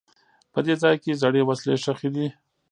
په دې ځای کې زړې وسلې ښخي دي.